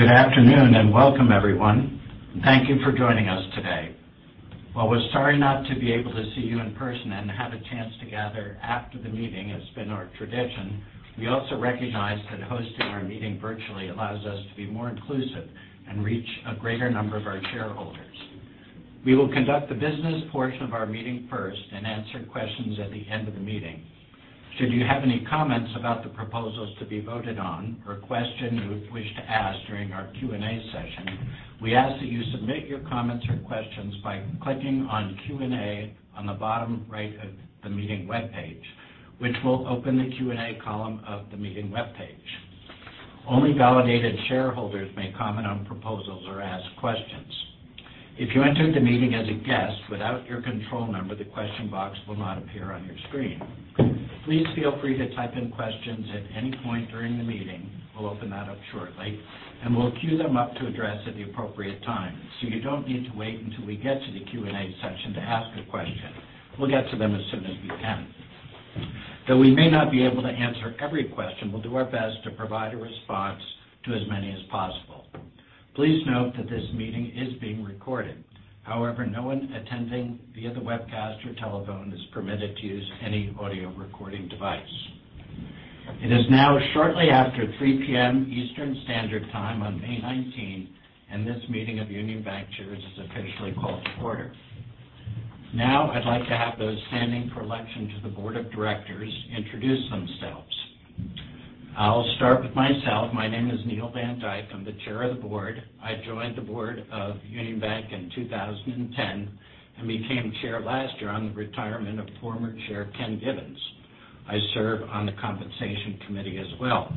Good afternoon, and welcome everyone. Thank you for joining us today. While we're sorry not to be able to see you in person and have a chance to gather after the meeting has been our tradition, we also recognize that hosting our meeting virtually allows us to be more inclusive and reach a greater number of our shareholders. We will conduct the business portion of our meeting first and answer questions at the end of the meeting. Should you have any comments about the proposals to be voted on or questions you would wish to ask during our Q&A session, we ask that you submit your comments or questions by clicking on Q&A on the bottom right of the meeting webpage, which will open the Q&A column of the meeting webpage. Only validated shareholders may comment on proposals or ask questions. If you entered the meeting as a guest without your control number, the question box will not appear on your screen. Please feel free to type in questions at any point during the meeting. We'll open that up shortly, and we'll queue them up to address at the appropriate time. You don't need to wait until we get to the Q&A session to ask a question. We'll get to them as soon as we can. Though we may not be able to answer every question, we'll do our best to provide a response to as many as possible. Please note that this meeting is being recorded. However, no one attending via the webcast or telephone is permitted to use any audio recording device. It is now shortly after 3:00 P.M. Eastern Standard Time on May 19, and this meeting of Union Bankshares is officially called to order. I'd like to have those standing for election to the Board of Directors introduce themselves. I'll start with myself. My name is Neil Van Dyke. I'm the Chair of the Board. I joined the Board of Union Bank in 2010 and became Chair last year on the retirement of former Chair Ken Gibbons. I serve on the Compensation Committee as well.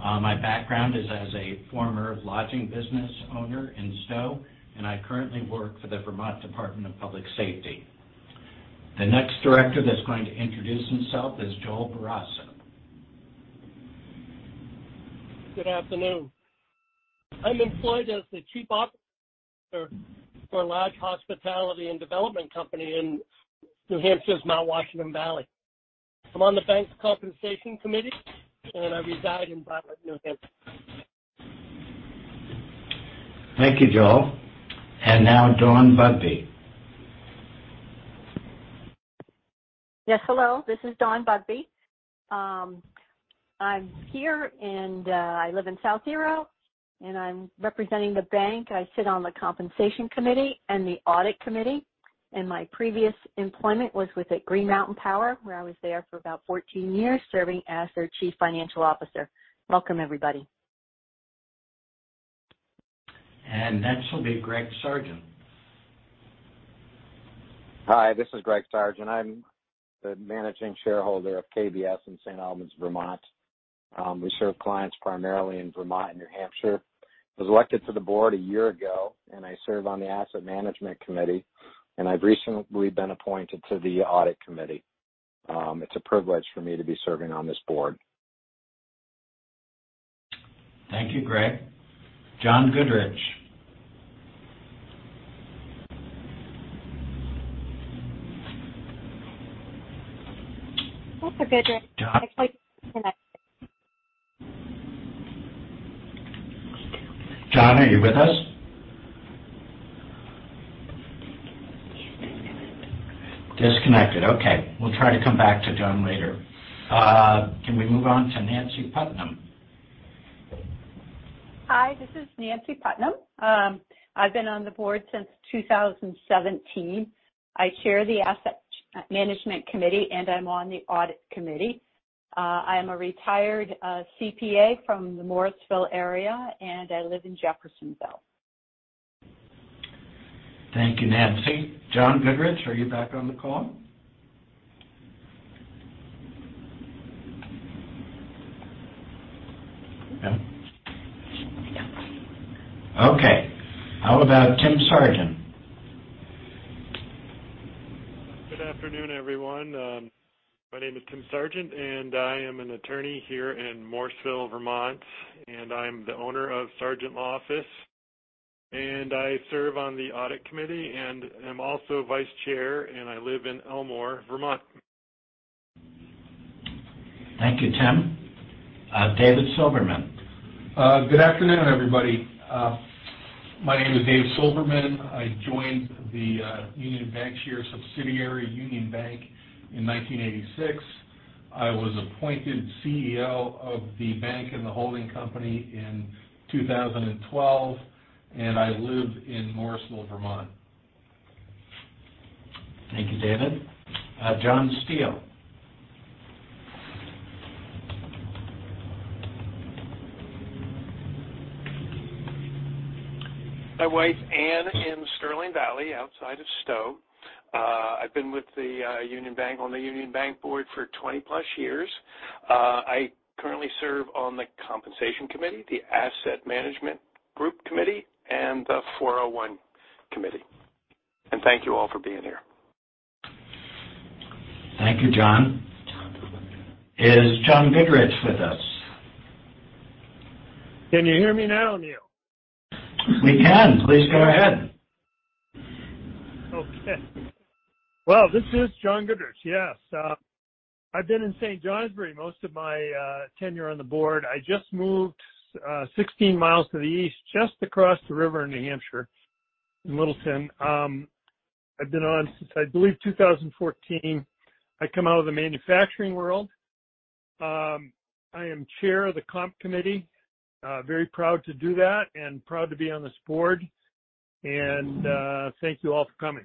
My background is as a former lodging business owner in Stowe, and I currently work for the Vermont Department of Public Safety. The next Director that's going to introduce himself is Joel Bourassa. Good afternoon. I'm employed as the Chief Operating Officer for a large hospitality and development company in New Hampshire's Mount Washington Valley. I'm on the bank's Compensation Committee, and I reside in Bartlett, New Hampshire. Thank you, Joel. Now Dawn D. Bugbee. Yes. Hello, this is Dawn D. Bugbee. I'm here, and I live in South Hero, and I'm representing the bank. I sit on the compensation committee and the audit committee. My previous employment was with Green Mountain Power, where I was there for about 14 years serving as their chief financial officer. Welcome, everybody. Next will be Greg Sargent. Hi, this is Greg Sargent. I'm the managing shareholder of KVS in St. Albans, Vermont. We serve clients primarily in Vermont and New Hampshire. I was elected to the board a year ago, and I serve on the asset management committee, and I've recently been appointed to the audit committee. It's a privilege for me to be serving on this board. Thank you, Greg. John Goodrich. John, are you with us? Disconnected. Okay. We'll try to come back to John later. Can we move on to Nancy Putnam? Hi, this is Nancy Putnam. I've been on the board since 2017. I chair the asset management committee, and I'm on the audit committee. I'm a retired CPA from the Morrisville area, and I live in Jeffersonville. Thank you, Nancy. John Goodrich, are you back on the call? No. Okay. How about Tim Sargent? Good afternoon, everyone. My name is Tim Sargent, and I am an attorney here in Morrisville, Vermont, and I'm the owner of Sargent Law Office. I serve on the audit committee and am also vice chair, and I live in Elmore, Vermont. Thank you, Tim. David Silverman. Good afternoon, everybody. My name is Dave Silverman. I joined the Union Bankshares subsidiary, Union Bank, in 1986. I was appointed CEO of the bank and the holding company in 2012, and I live in Morrisville, Vermont. Thank you, David. John Steel. My wife, Anne, in Sterling Valley outside of Stowe. I've been with Union Bank on the Union Bank board for 20-plus years. I currently serve on the Compensation Committee, the Asset Management Group Committee, and the 401 Committee. Thank you all for being here. Thank you, John. Is John Goodrich with us? Can you hear me now, Neil? We can. Please go ahead. Okay. Well, this is John Goodrich. Yes. I've been in St. Johnsbury most of my tenure on the board. I just moved 16 miles to the east, just across the river in New Hampshire, in Littleton. I've been on since, I believe, 2014. I come out of the manufacturing world. I am Chair of the Comp Committee. Very proud to do that and proud to be on this board. Thank you all for coming.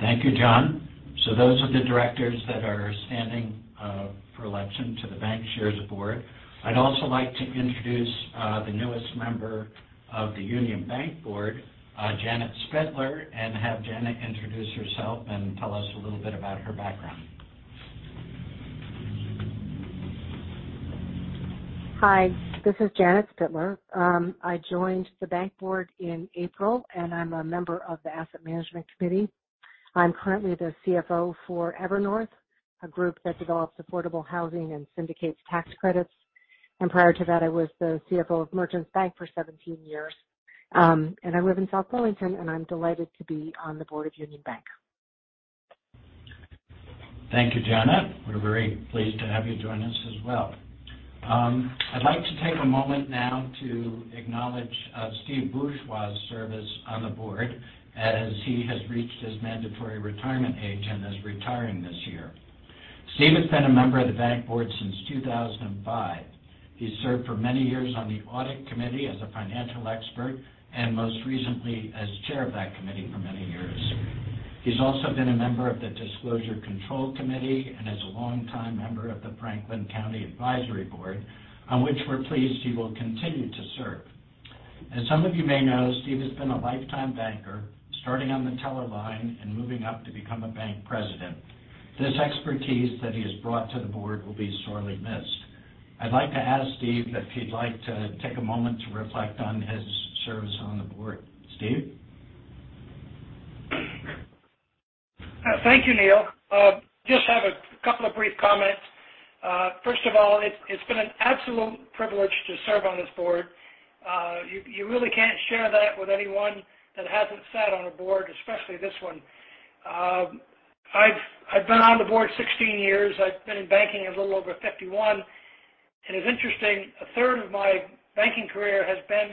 Thank you, John. Those are the directors that are standing for election to the Bankshares board. I'd also like to introduce the newest member of the Union Bank board, Janet Spitler, and have Janet introduce herself and tell us a little bit about her background. Hi, this is Janet Spitler. I joined the Bank board in April. I'm a member of the Asset Management Committee. I'm currently the CFO for Evernorth, a group that develops affordable housing and syndicates tax credits. Prior to that, I was the CFO of Merchants Bank for 17 years. I live in South Burlington. I'm delighted to be on the board of Union Bank. Thank you, Janet. We're very pleased to have you join us as well. I'd like to take a moment now to acknowledge Steve Bourgeois' service on the Board as he has reached his mandatory retirement age and is retiring this year. Steve has been a member of the Bank Board since 2005. He served for many years on the Audit Committee as a financial expert, and most recently as chair of that committee for many years. He's also been a member of the Disclosure Control Committee and is a long-time member of the Franklin County Advisory Board, on which we're pleased he will continue to serve. As some of you may know, Steve has been a lifetime banker, starting on the teller line and moving up to become a bank president. This expertise that he has brought to the Board will be sorely missed. I'd like to ask Steve if he'd like to take a moment to reflect on his service on the board. Steve? Thank you, Neil. Just have a couple of brief comments. First of all, it's been an absolute privilege to serve on this board. You really can't share that with anyone that hasn't sat on a board, especially this one. I've been on the board 16 years. I've been in banking a little over 51. It's interesting, a third of my banking career has been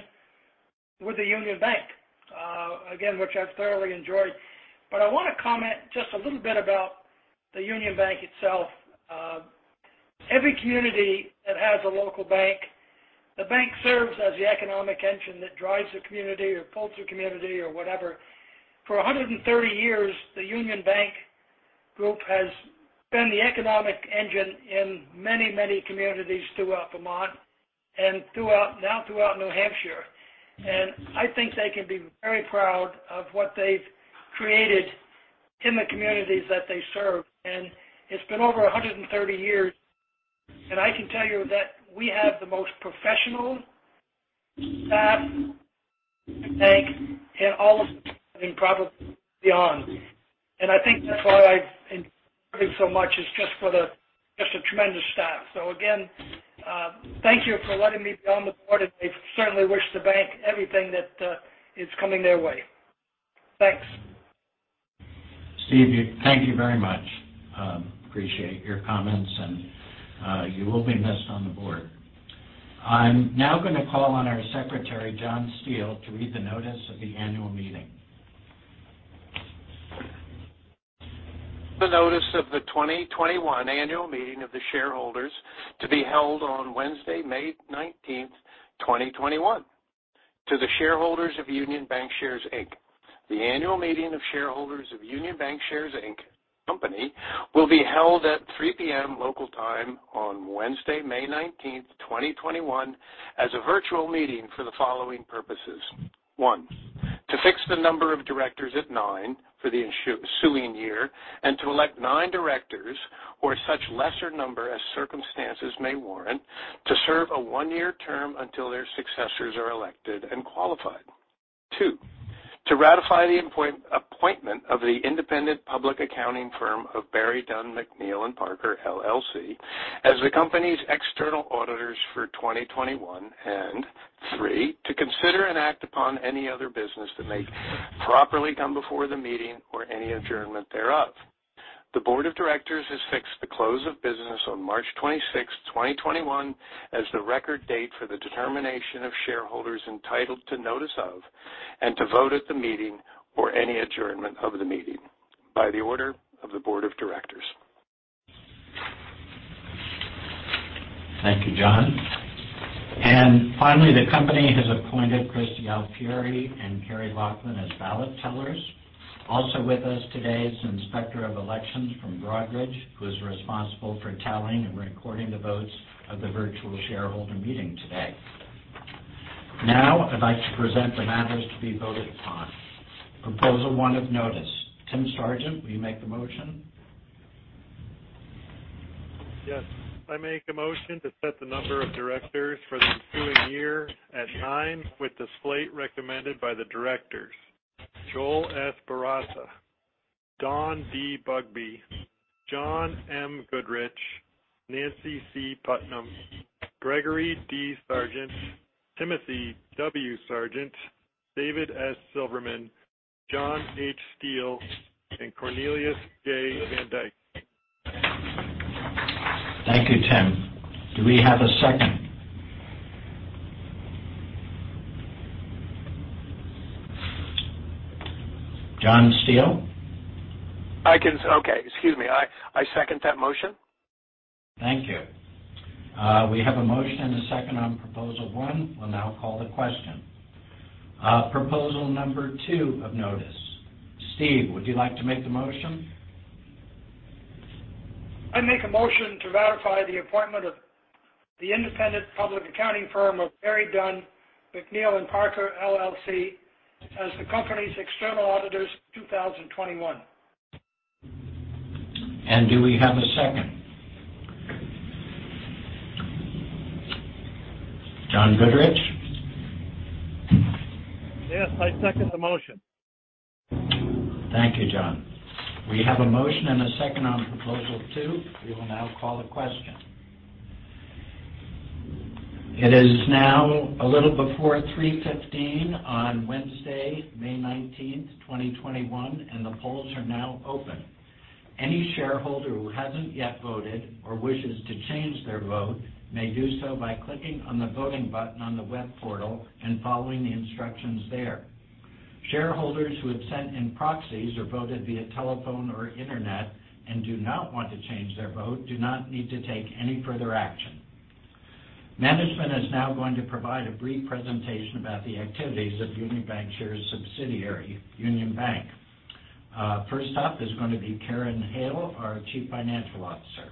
with the Union Bank, again, which I've thoroughly enjoyed. I want to comment just a little bit about the Union Bank itself. Every community that has a local bank, the bank serves as the economic engine that drives the community or pulls the community or whatever. For 130 years, the Union Bank group has been the economic engine in many, many communities throughout Vermont and now throughout New Hampshire. I think they can be very proud of what they've created in the communities that they serve. It's been over 130 years, and I can tell you that we have the most professional staff at the bank in all of New England and probably beyond. I think that's why I've enjoyed it so much is just what a tremendous staff. Again, thank you for letting me be on the board, and I certainly wish the bank everything that is coming their way. Thanks. Steve, thank you very much. Appreciate your comments, and you will be missed on the board. I'm now going to call on our Secretary, John Steele, to read the notice of the annual meeting. The notice of the 2021 annual meeting of the shareholders to be held on Wednesday, May 19, 2021. To the shareholders of Union Bankshares, Inc. The annual meeting of shareholders of Union Bankshares, Inc. company will be held at 3:00 P.M. local time on Wednesday, May 19, 2021, as a virtual meeting for the following purposes. One, to fix the number of directors at nine for the ensuing year, and to elect nine directors or such lesser number as circumstances may warrant to serve a one-year term until their successors are elected and qualified. Two, to ratify the appointment of the independent public accounting firm of Berry, Dunn, McNeil & Parker, LLC as the company's external auditors for 2021. Three, to consider and act upon any other business that may properly come before the meeting or any adjournment thereof. The board of directors has fixed the close of business on March 26, 2021, as the record date for the determination of shareholders entitled to notice of and to vote at the meeting or any adjournment of the meeting. By the order of the board of directors. Thank you, John. Finally, the company has appointed Chris Alfieri and Kerry Lachman as ballot tellers. Also with us today is Inspector of Elections from Broadridge, who is responsible for tallying and recording the votes of the virtual shareholder meeting today. I'd like to present the matters to be voted upon. Proposal one as noticed. Tim Sargent, will you make the motion? Yes, I make a motion to set the number of directors for the ensuing year at nine with the slate recommended by the directors: Joel S. Bourassa, Dawn D. Bugbee, John M. Goodrich, Nancy C. Putnam, Gregory D. Sargent, Timothy W. Sargent, David S. Silverman, John H. Steel, and Cornelius J. Van Dyke. Thank you, Tim. Do we have a second? John Steele? Okay. Excuse me. I second that motion. Thank you. We have a motion and a second on proposal one. We'll now call the question. Proposal number two of notice. Steve, would you like to make the motion? I make a motion to verify the appointment of the independent public accounting firm of Berry, Dunn, McNeil & Parker, LLC as the company's external auditors 2021. Do we have a second? John Goodrich. Yes, I second the motion. Thank you, John. We have a motion and a second on proposal two. We will now call the question. It is now a little before 3:15 P.M. on Wednesday, May 19th, 2021, and the polls are now open. Any shareholder who hasn't yet voted or wishes to change their vote may do so by clicking on the voting button on the web portal and following the instructions there. Shareholders who have sent in proxies or voted via telephone or internet and do not want to change their vote do not need to take any further action. Management is now going to provide a brief presentation about the activities of Union Bankshares subsidiary, Union Bank. First up is going to be Karyn J. Hale, our Chief Financial Officer.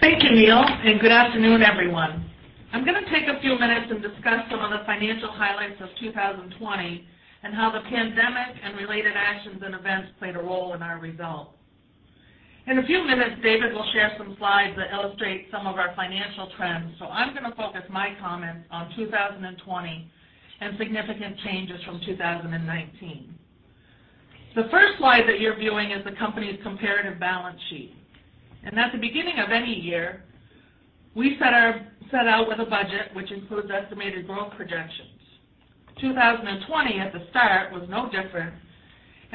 Thank you, Neil. Good afternoon, everyone. I'm going to take a few minutes and discuss some of the financial highlights of 2020 and how the pandemic and related actions and events played a role in our results. In a few minutes, David will share some slides that illustrate some of our financial trends. I'm going to focus my comments on 2020 and significant changes from 2019. The first slide that you're viewing is the company's comparative balance sheet. At the beginning of any year, we set out with a budget which includes estimated growth projections. 2020, at the start, was no different.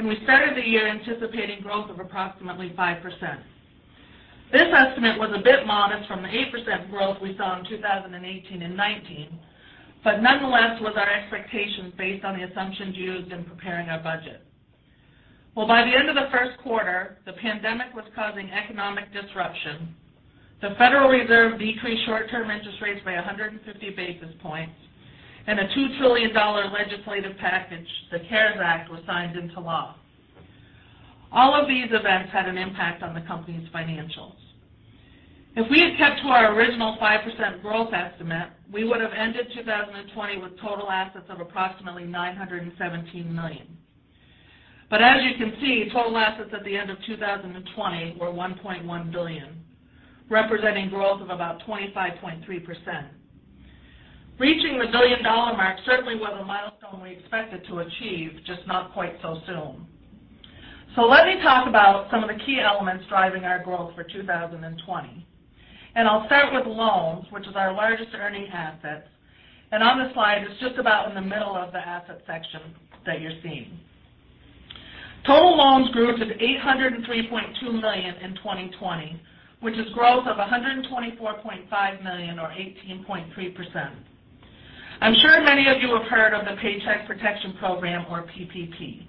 We started the year anticipating growth of approximately 5%. This estimate was a bit modest from the 8% growth we saw in 2018 and 2019. Nonetheless was our expectations based on the assumptions used in preparing our budget. Well, by the end of the first quarter, the pandemic was causing economic disruption. The Federal Reserve decreased short-term interest rates by 150 basis points and a $2 trillion legislative package, the CARES Act, was signed into law. All of these events had an impact on the company's financials. If we had kept to our original 5% growth estimate, we would have ended 2020 with total assets of approximately $917 million. As you can see, total assets at the end of 2020 were $1.1 billion, representing growth of about 25.3%. Reaching the billion-dollar mark certainly was a milestone we expected to achieve, just not quite so soon. Let me talk about some of the key elements driving our growth for 2020. I'll start with loans, which is our largest earning asset, and on the slide, it's just about in the middle of the asset section that you're seeing. Total loans grew to $803.2 million in 2020, which is growth of $124.5 million or 18.3%. I'm sure many of you have heard of the Paycheck Protection Program or PPP.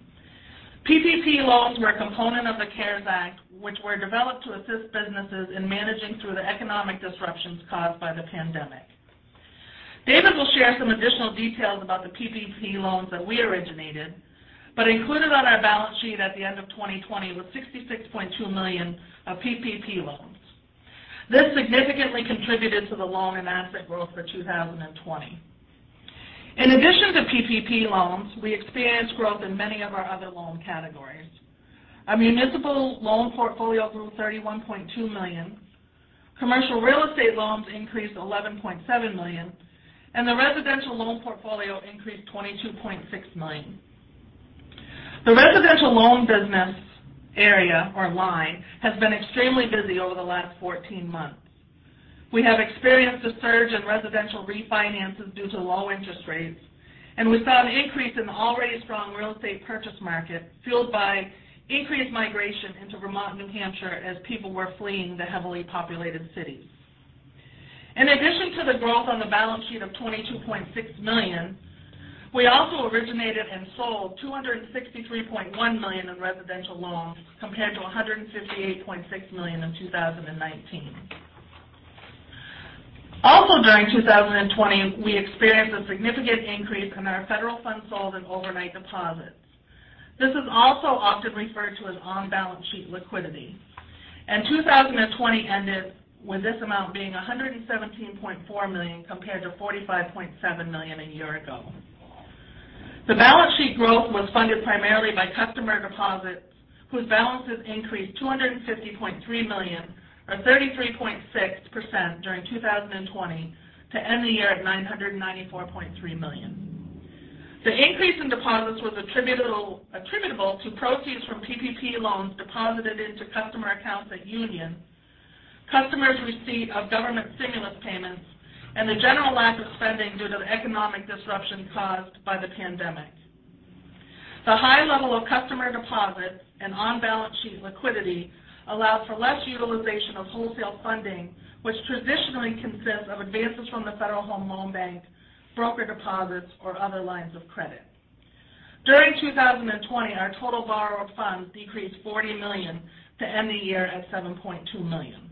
PPP loans were a component of the CARES Act, which were developed to assist businesses in managing through the economic disruptions caused by the pandemic. David will share some additional details about the PPP loans that we originated, but included on our balance sheet at the end of 2020 was $66.2 million of PPP loans. This significantly contributed to the loan and asset growth for 2020. In addition to PPP loans, we experienced growth in many of our other loan categories. Our municipal loan portfolio grew to $31.2 million. Commercial real estate loans increased $11.7 million. The residential loan portfolio increased $22.6 million. The residential loan business area or line has been extremely busy over the last 14 months. We have experienced a surge in residential refinances due to low interest rates. We saw an increase in already strong real estate purchase market fueled by increased migration into Vermont, New Hampshire, as people were fleeing the heavily populated cities. In addition to the growth on the balance sheet of $22.6 million, we also originated and sold $263.1 million in residential loans compared to $158.6 million in 2019. Also during 2020, we experienced a significant increase in our federal funds sold and overnight deposits. This is also often referred to as on-balance sheet liquidity. 2020 ended with this amount being $117.4 million compared to $45.7 million a year ago. The balance sheet growth was funded primarily by customer deposits, whose balances increased $250.3 million, or 33.6%, during 2020 to end the year at $994.3 million. The increase in deposits was attributable to proceeds from PPP loans deposited into customer accounts at Union, customers' receipt of government stimulus payments, and the general lack of spending due to economic disruption caused by the pandemic. The high level of customer deposits and on-balance sheet liquidity allowed for less utilization of wholesale funding, which traditionally consists of advances from the Federal Home Loan Bank, broker deposits, or other lines of credit. During 2020, our total borrowed funds decreased $40 million to end the year at $7.2 million.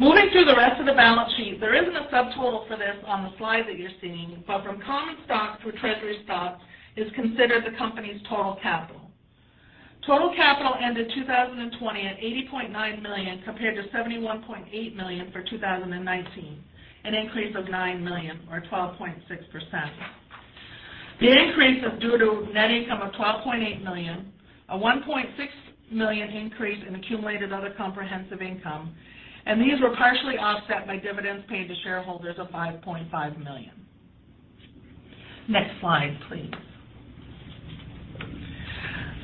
Moving to the rest of the balance sheet, there isn't a subtotal for this on the slide that you're seeing, but from common stock through treasury stock is considered the company's total capital. Total capital ended 2020 at $80.9 million compared to $71.8 million for 2019, an increase of $9 million or 12.6%. The increase is due to net income of $12.8 million, a $1.6 million increase in accumulated other comprehensive income, and these were partially offset by dividends paid to shareholders of $5.5 million. Next slide, please.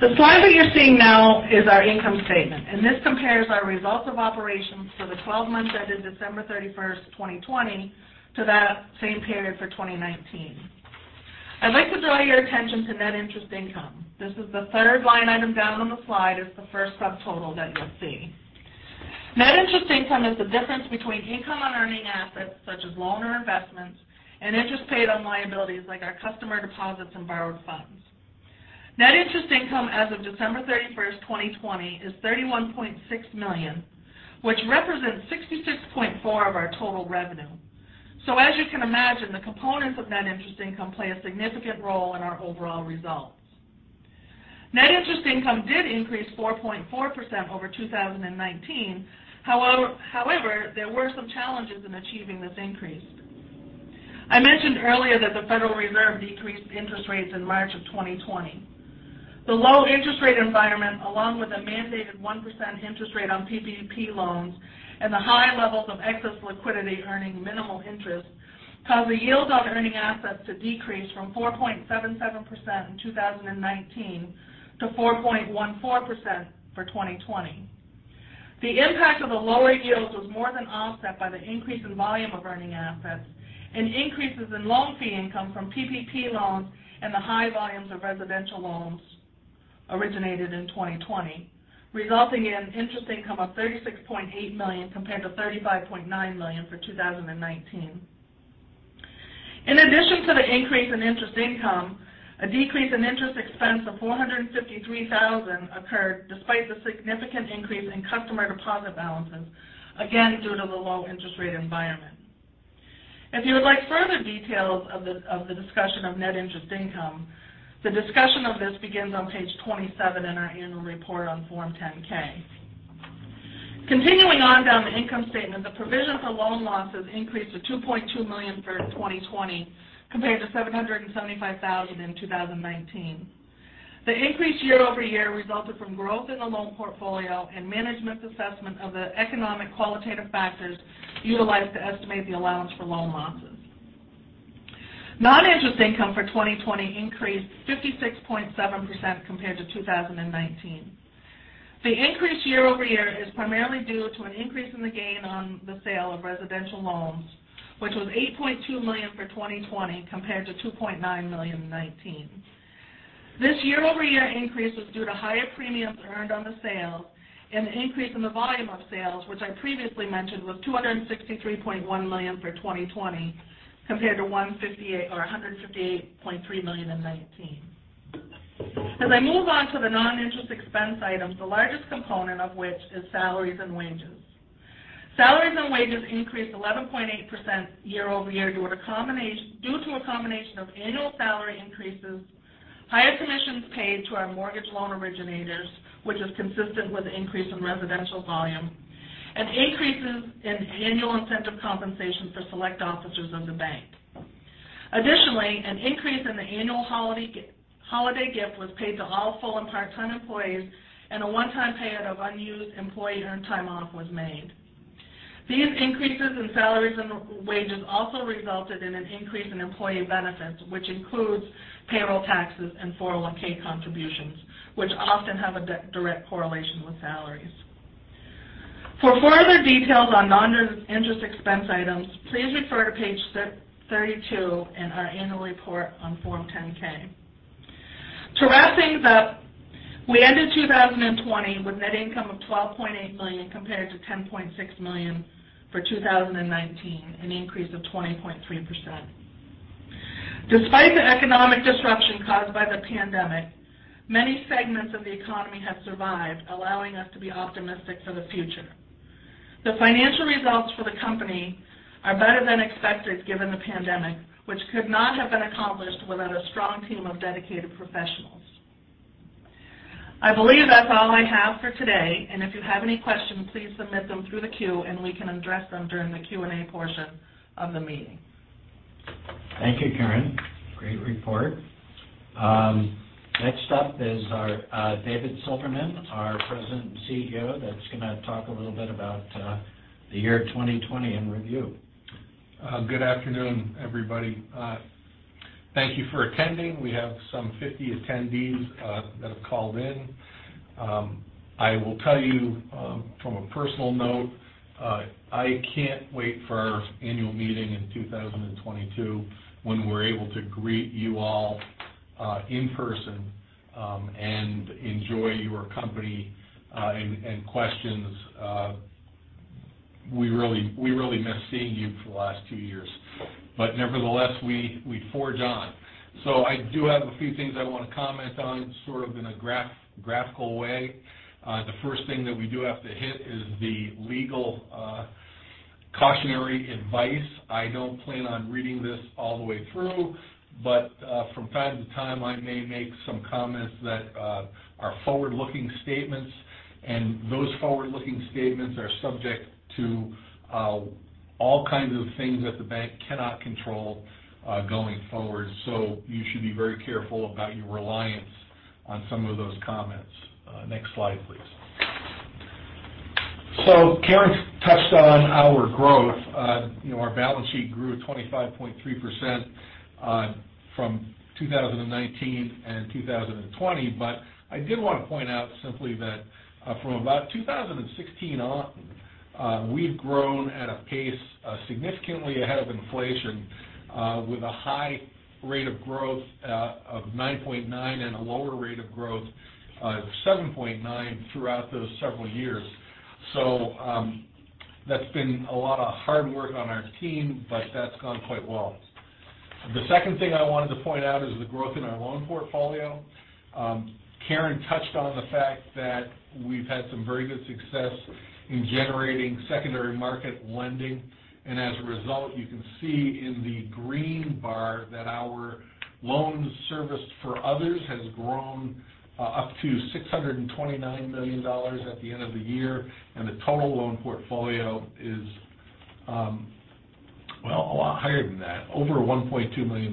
The slide that you're seeing now is our income statement, and this compares our results of operations for the 12 months ended December 31st, 2020, to that same period for 2019. I'd like to draw your attention to net interest income. This is the third line item down on the slide. It's the first subtotal that you'll see. Net interest income is the difference between income on earning assets, such as loan or investments, and interest paid on liabilities like our customer deposits and borrowed funds. Net interest income as of December 31st, 2020, is $31.6 million, which represents 66.4% of our total revenue. As you can imagine, the components of net interest income play a significant role in our overall results. Net interest income did increase 4.4% over 2019. However, there were some challenges in achieving this increase. I mentioned earlier that the Federal Reserve decreased interest rates in March of 2020. The low interest rate environment, along with a mandated 1% interest rate on PPP loans and the high levels of excess liquidity earning minimal interest, caused the yield on earning assets to decrease from 4.77% in 2019 to 4.14% for 2020. The impact of the lower yields was more than offset by the increase in volume of earning assets and increases in loan fee income from PPP loans and the high volumes of residential loans originated in 2020, resulting in interest income of $36.8 million compared to $35.9 million for 2019. In addition to the increase in interest income, a decrease in interest expense of $453,000 occurred despite the significant increase in customer deposit balances, again, due to the low interest rate environment. If you would like further details of the discussion of net interest income, the discussion of this begins on page 27 in our annual report on Form 10-K. Continuing on down the income statement, the provision for loan losses increased to $2.2 million for 2020 compared to $775,000 in 2019. The increase year-over-year resulted from growth in the loan portfolio and management's assessment of the economic qualitative factors utilized to estimate the allowance for loan losses. Non-interest income for 2020 increased 56.7% compared to 2019. The increase year-over-year is primarily due to an increase in the gain on the sale of residential loans, which was $8.2 million for 2020 compared to $2.9 million in 2019. This year-over-year increase was due to higher premiums earned on the sale and an increase in the volume of sales, which I previously mentioned was $263.1 million for 2020 compared to $158.3 million in 2019. As I move on to the non-interest expense items, the largest component of which is salaries and wages. Salaries and wages increased 11.8% year-over-year due to a combination of annual salary increases, higher commissions paid to our mortgage loan originators, which is consistent with the increase in residential volume, and increases in annual incentive compensation for select officers of the bank. Additionally, an increase in the annual holiday gift was paid to all full- and part-time employees, and a one-time payout of unused employee earned time off was made. These increases in salaries and wages also resulted in an increase in employee benefits, which includes payroll taxes and 401 contributions, which often have a direct correlation with salaries. For further details on non-interest expense items, please refer to page 32 in our annual report on Form 10-K. To wrap things up, we ended 2020 with net income of $12.8 million compared to $10.6 million for 2019, an increase of 20.3%. Despite the economic disruption caused by the pandemic, many segments of the economy have survived, allowing us to be optimistic for the future. The financial results for the company are better than expected given the pandemic, which could not have been accomplished without a strong team of dedicated professionals. I believe that's all I have for today, and if you have any questions, please submit them through the queue, and we can address them during the Q&A portion of the meeting. Thank you, Karyn. Great report. Next up is David Silverman, our President and CEO, that's going to talk a little bit about the year 2020 in review. Good afternoon, everybody. Thank you for attending. We have some 50 attendees that have called in. I will tell you from a personal note, I can't wait for our annual meeting in 2022 when we're able to greet you all in person and enjoy your company and questions. We really missed seeing you for the last two years. Nevertheless, we forge on. I do have a few things I want to comment on in a graphical way. The first thing that we do have to hit is the legal cautionary advice. I don't plan on reading this all the way through. From time to time, I may make some comments that are forward-looking statements. Those forward-looking statements are subject to all kinds of things that the bank cannot control going forward. You should be very careful about your reliance on some of those comments. Next slide, please. Karyn touched on our growth. Our balance sheet grew 25.3% from 2019 and 2020. I did want to point out simply that from about 2016 on, we've grown at a pace significantly ahead of inflation, with a high rate of growth of 9.9% and a lower rate of growth of 7.9% throughout those several years. That's been a lot of hard work on our team, but that's gone quite well. The second thing I wanted to point out is the growth in our loan portfolio. Karyn touched on the fact that we've had some very good success in generating secondary market lending. As a result, you can see in the green bar that our loan service for others has grown up to $629 million at the end of the year. The total loan portfolio is, well, a lot higher than that, over $1.4 million.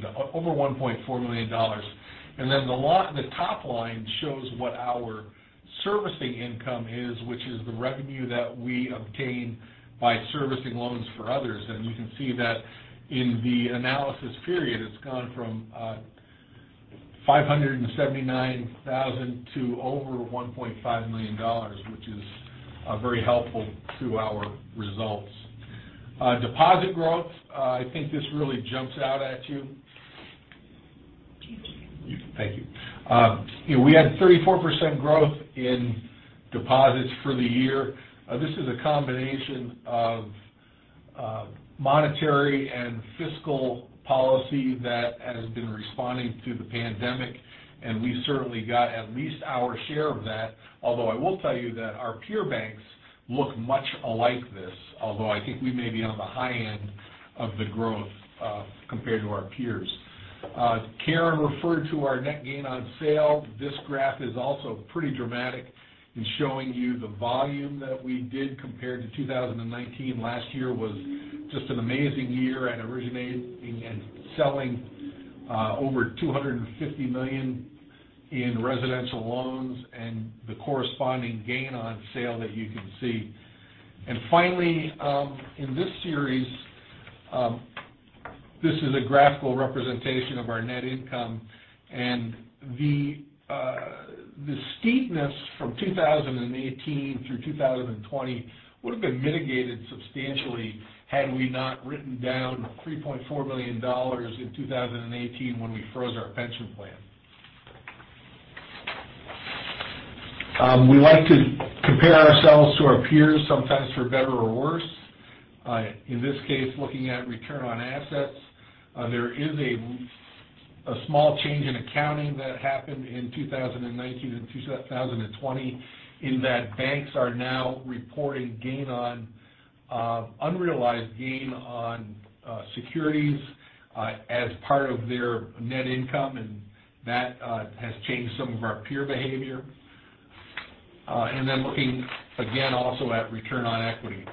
The top line shows what our servicing income is, which is the revenue that we obtain by servicing loans for others. We can see that in the analysis period, it's gone from $579,000 to over $1.5 million, which is very helpful to our results. Deposit growth, I think this really jumps out at you. Thank you. We had 34% growth in deposits for the year. This is a combination of monetary and fiscal policy that has been responding to the pandemic. We certainly got at least our share of that, although I will tell you that our peer banks look much like this, although I think we may be on the high end of the growth compared to our peers. Karyn referred to our net gain on sale. This graph is also pretty dramatic in showing you the volume that we did compared to 2019. Last year was just an amazing year at originating and selling over $250 million in residential loans and the corresponding gain on sale that you can see. Finally, in this series, this is a graphical representation of our net income. The steepness from 2018 through 2020 would've been mitigated substantially had we not written down $3.4 million in 2018 when we froze our pension plan. We like to compare ourselves to our peers, sometimes for better or worse. In this case, looking at return on assets. There is a small change in accounting that happened in 2019 and 2020 in that banks are now reporting unrealized gain on securities as part of their net income. That has changed some of our peer behavior. Looking again also at return on equity.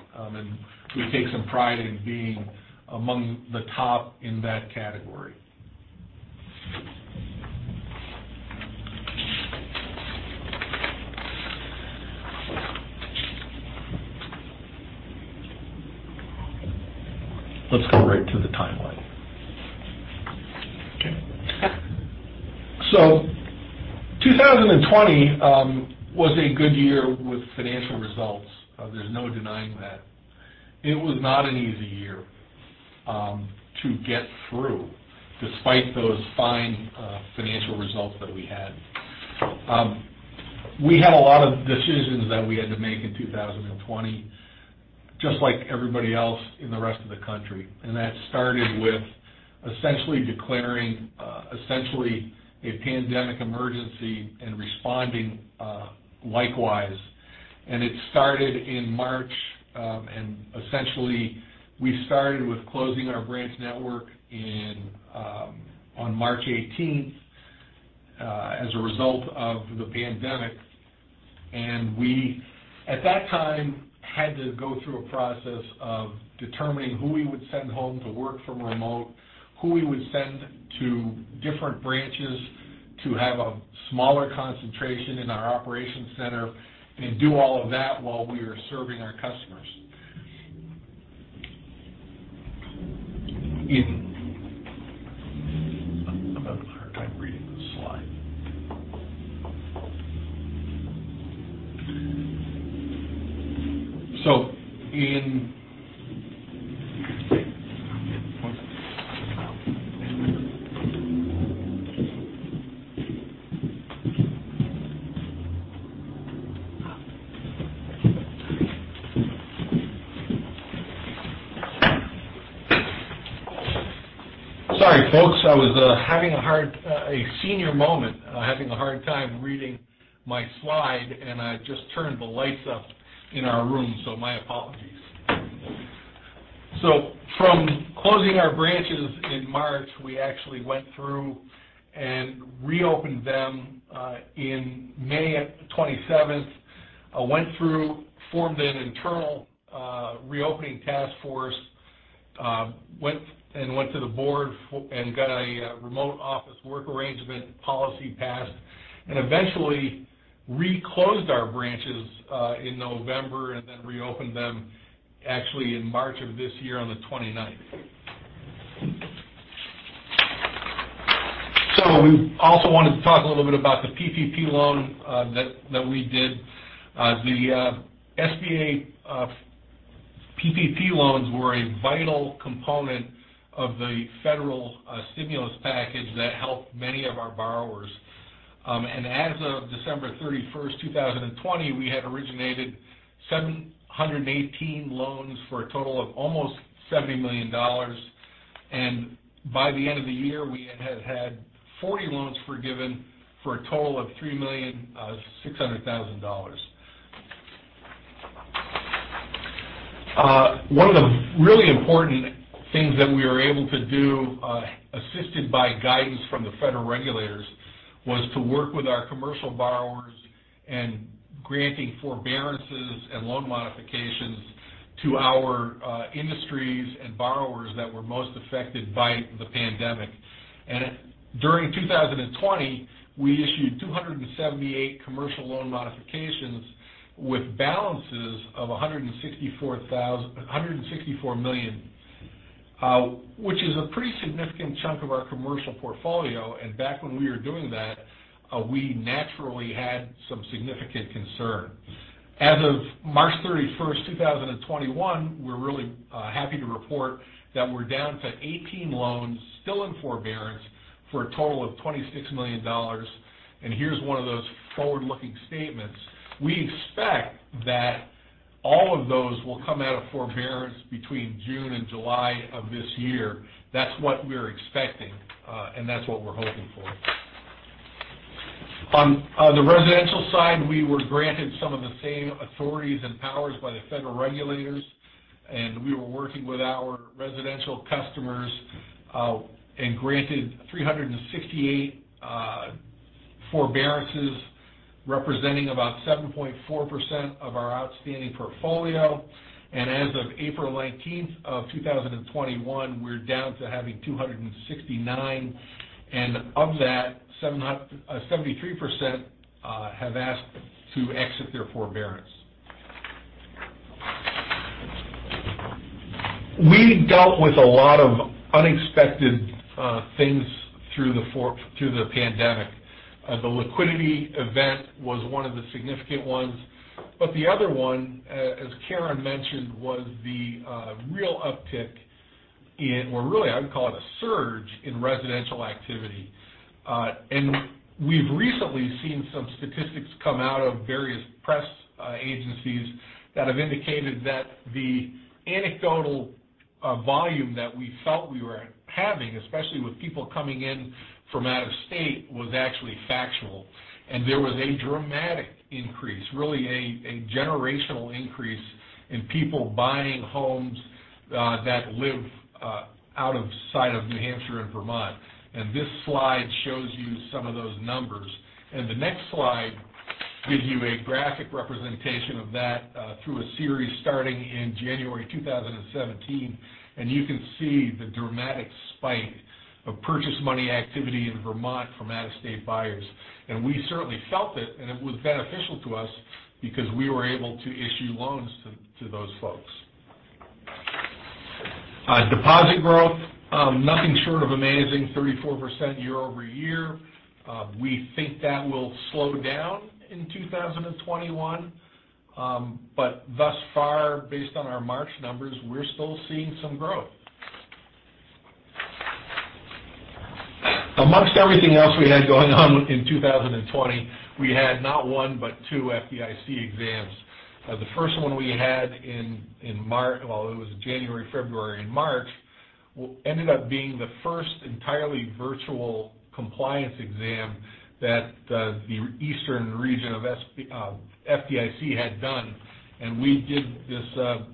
We take some pride in being among the top in that category. Let's go right to the timeline. 2020 was a good year with financial results. There's no denying that. It was not an easy year to get through despite those fine financial results that we had. We had a lot of decisions that we had to make in 2020, just like everybody else in the rest of the country. That started with essentially declaring essentially a pandemic emergency and responding likewise. It started in March, and essentially, we started with closing our branch network on March 18th as a result of the pandemic. We, at that time, had to go through a process of determining who we would send home to work from remote, who we would send to different branches to have a smaller concentration in our operations center, and do all of that while we are serving our customers. I'm having a hard time reading the slide. Sorry, folks. I was having a senior moment, having a hard time reading my slide, and I just turned the lights up in our room, my apologies. From closing our branches in March, we actually went through and reopened them in May 27th. Went through, formed an internal reopening task force, and went to the board and got a remote office work arrangement policy passed, and eventually re-closed our branches in November, and then reopened them actually in March of this year on the 29th. We also want to talk a little bit about the PPP loan that we did. The SBA PPP loans were a vital component of the federal stimulus package that helped many of our borrowers. As of December 31st, 2020, we had originated 718 loans for a total of almost $70 million. By the end of the year, we had 40 loans forgiven for a total of $3,600,000. One of the really important things that we were able to do, assisted by guidance from the federal regulators, was to work with our commercial borrowers in granting forbearances and loan modifications to our industries and borrowers that were most affected by the pandemic. During 2020, we issued 278 commercial loan modifications with balances of $164 million, which is a pretty significant chunk of our commercial portfolio. Back when we were doing that, we naturally had some significant concern. As of March 31st, 2021, we're really happy to report that we're down to 18 loans still in forbearance for a total of $26 million. Here's one of those forward-looking statements. We expect that all of those will come out of forbearance between June and July of this year. That's what we're expecting, and that's what we're hoping for. On the residential side, we were granted some of the same authorities and powers by the federal regulators. We were working with our residential customers and granted 368 forbearances, representing about 7.4% of our outstanding portfolio. As of April 19th of 2021, we're down to having 269, and of that, 73% have asked to exit their forbearance. We dealt with a lot of unexpected things through the pandemic. The liquidity event was one of the significant ones. The other one, as Karyn mentioned, was the real uptick in, or really I would call it a surge in residential activity. We've recently seen some statistics come out of various press agencies that have indicated that the anecdotal volume that we felt we were having, especially with people coming in from out of state, was actually factual. There was a dramatic increase, really a generational increase in people buying homes that live outside of New Hampshire and Vermont. This slide shows you some of those numbers. The next slide gives you a graphic representation of that through a series starting in January 2017. You can see the dramatic spike of purchase money activity in Vermont from out-of-state buyers. We certainly felt it, and it was beneficial to us because we were able to issue loans to those folks. Deposit growth, nothing short of amazing, 34% year-over-year. We think that will slow down in 2021. Thus far, based on our March numbers, we're still seeing some growth. Amongst everything else we had going on in 2020, we had not one, but two FDIC exams. The first we had in January, February, and March ended up being the first entirely virtual compliance exam that the Eastern region of FDIC had done. We did this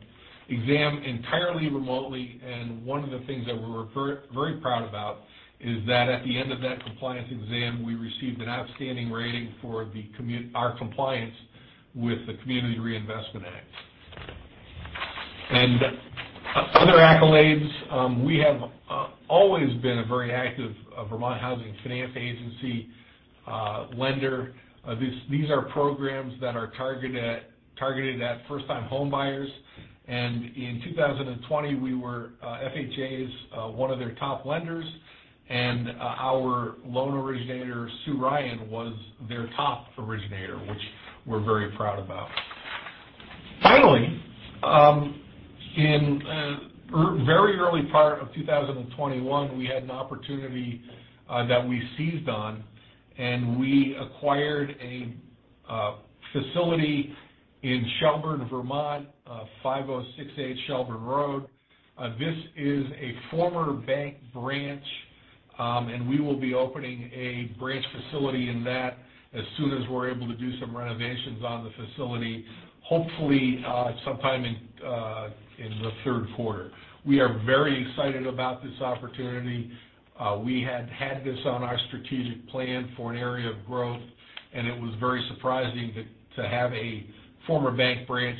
exam entirely remotely. One of the things that we're very proud about is that at the end of that compliance exam, we received an outstanding rating for our compliance with the Community Reinvestment Act. Other accolades, we have always been a very active Vermont Housing Finance Agency lender. These are programs that are targeted at first-time homebuyers. In 2020, we were VHFA's one of their top lenders, and our loan originator, Sue Ryan, was their top originator, which we're very proud about. Finally, in very early part of 2021, we had an opportunity that we seized on, and we acquired a facility in Shelburne, Vermont, 506A Shelburne Road. This is a former bank branch, and we will be opening a branch facility in that as soon as we're able to do some renovations on the facility, hopefully sometime in the third quarter. We are very excited about this opportunity. We had this on our strategic plan for an area of growth, and it was very surprising to have a former bank branch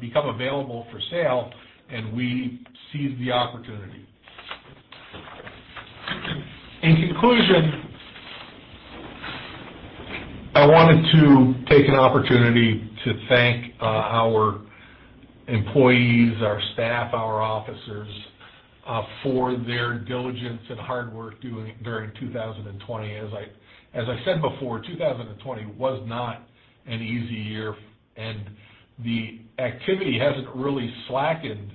become available for sale, and we seized the opportunity. In conclusion, I wanted to take an opportunity to thank our employees, our staff, our officers for their diligence and hard work during 2020. As I said before, 2020 was not an easy year, and the activity hasn't really slackened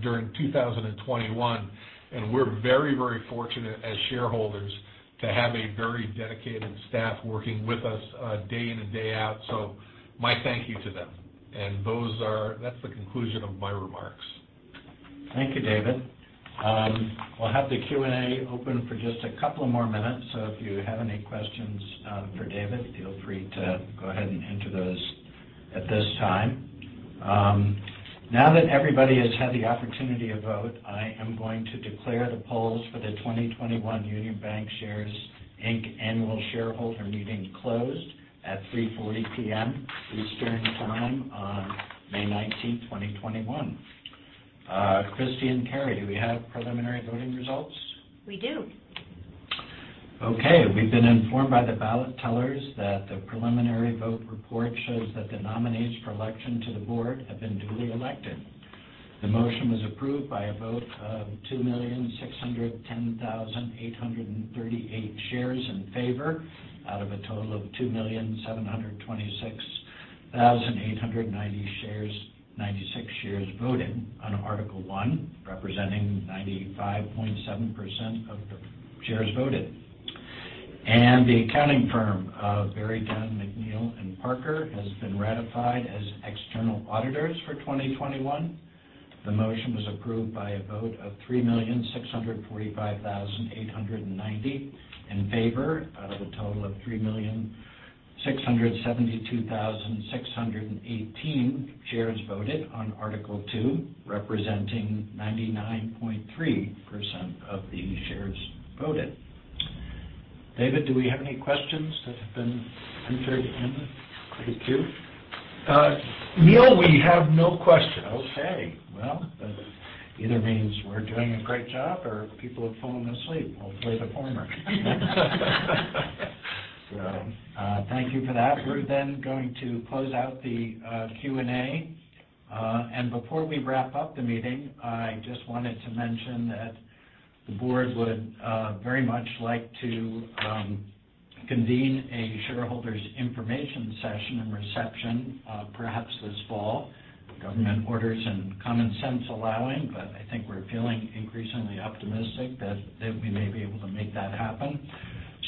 during 2021, and we're very, very fortunate as shareholders to have a very dedicated staff working with us day in and day out. My thank you to them, and that's the conclusion of my remarks. Thank you, David. We'll have the Q&A open for just a couple more minutes, so if you have any questions for David, feel free to go ahead and enter those at this time. Now that everybody has had the opportunity to vote, I am going to declare the polls for the 2021 Union Bankshares, Inc. Annual Shareholder Meeting closed at 3:40 P.M. Eastern Time on May 19, 2021. Christine Carey, do we have preliminary voting results? We do. Okay. We've been informed by the ballot tellers that the preliminary vote report shows that the nominees for election to the board have been duly elected. The motion was approved by a vote of 2,610,838 shares in favor, out of a total of 2,726,896 shares voting on Article one, representing 95.7% of the shares voted. The accounting firm of Berry, Dunn, McNeil & Parker has been ratified as external auditors for 2021. The motion was approved by a vote of 3,645,890 in favor, out of a total of 3,672,618 shares voted on Article two, representing 99.3% of the shares voted. David, do we have any questions that have been entered in the queue? Neil, we have no questions. Okay. Well, that either means we're doing a great job or people have fallen asleep. Hopefully the former. Thank you for that. We're then going to close out the Q&A. Before we wrap up the meeting, I just wanted to mention that the board would very much like to convene a shareholders information session and reception perhaps this fall, government orders and common sense allowing. I think we're feeling increasingly optimistic that we may be able to make that happen.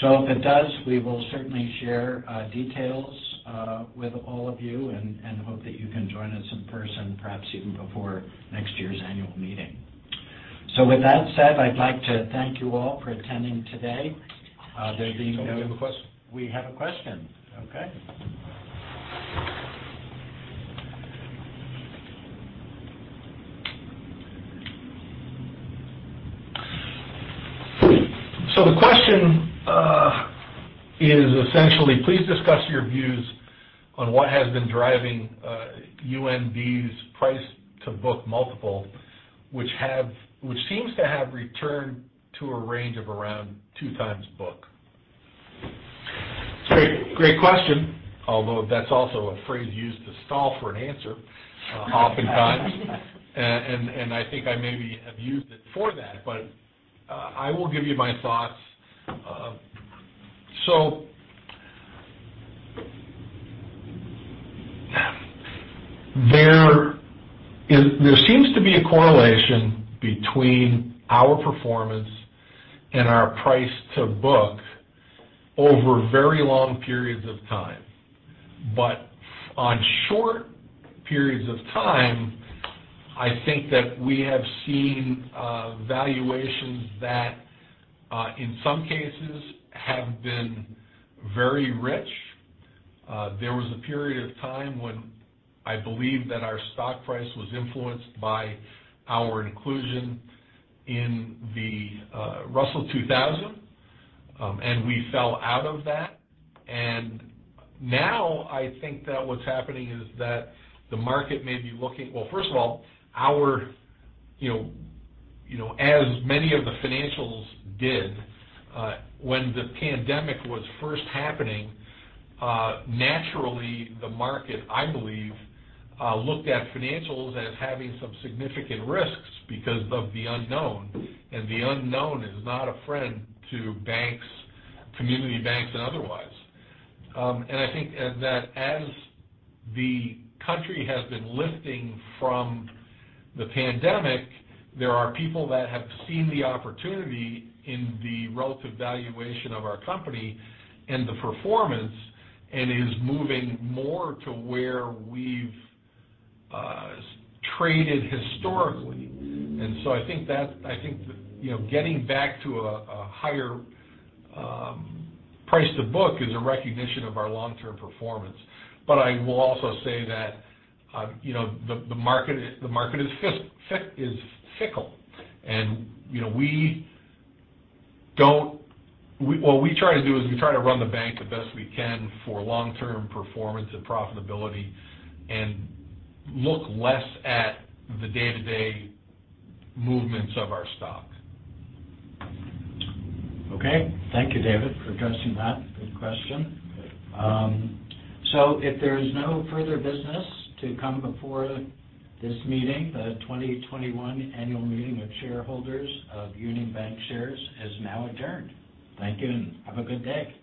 If it does, we will certainly share details with all of you and hope that you can join us in person, perhaps even before next year's annual meeting. With that said, I'd like to thank you all for attending today. We have a question. We have a question. Okay. The question is essentially, "Please discuss your views on what has been driving UNB's price-to-book multiple, which seems to have returned to a range of around 2x book. Great question. That's also a phrase used to stall for an answer oftentimes. I think I maybe have used it for that. I will give you my thoughts. There seems to be a correlation between our performance and our price to book over very long periods of time. On short periods of time, I think that we have seen valuations that in some cases have been very rich. There was a period of time when I believe that our stock price was influenced by our inclusion in the Russell 2000. We fell out of that. Now I think that what's happening is that the market may be, well, first of all, as many of the financials did when the pandemic was first happening, naturally the market, I believe, looked at financials as having some significant risks because of the unknown, and the unknown is not a friend to community banks and otherwise. I think that as the country has been lifting from the pandemic, there are people that have seen the opportunity in the relative valuation of our company and the performance, and is moving more to where we've traded historically. I think that getting back to a higher price to book is a recognition of our long-term performance. I will also say that the market is fickle, and what we try to do is we try to run the bank the best we can for long-term performance and profitability and look less at the day-to-day movements of our stock. Okay. Thank you, David, for addressing that. Good question. If there is no further business to come before this meeting, the 2021 annual meeting of shareholders of Union Bankshares is now adjourned. Thank you, and have a good day.